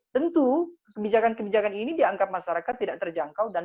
tentu kebijakan kebijakan ini dianggap masyarakat tidak terjangkau